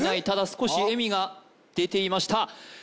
ただ少し笑みが出ていました